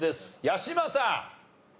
八嶋さん。